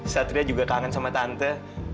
satria juga kangen sama tante